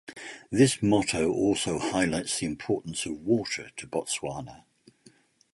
This motto also highlights the importance of water to Botswana.